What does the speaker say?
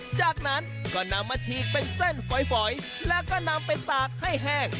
จากนั้นก็นำมาฉีกเป็นเส้นฝอยแล้วก็นำไปตากให้แห้ง